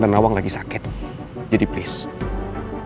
nawang lagi sakit jadi please